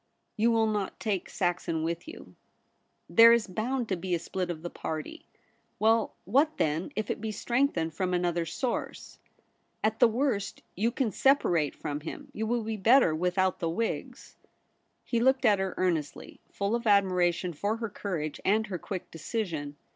' You will not take Saxon with you. There is bound to be a spHt of the party. Well, what then, if it be strengthened from another source } At the worst you can separate 'WHO SHALL SEPARATE US?' 63 from him. You will be better without the Whigs.' He looked at her earnestly, full of admira tion for her courage and her quick decision.